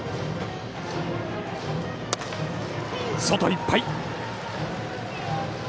外いっぱい！